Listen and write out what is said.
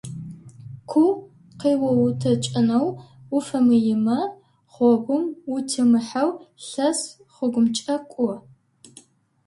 Ку къыоутэкӏынэу уфэмыемэ гъогум утемыхьэу лъэс гъогумкӏэ кӏо.